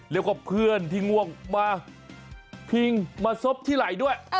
แล้วก็เพื่อนที่ง่วงมาพิงมาซบที่ไหล่ด้วย